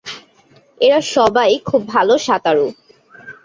এরা সবাই খুব ভাল সাঁতারু।